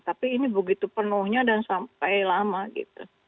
tapi ini begitu penuhnya dan sampai lama gitu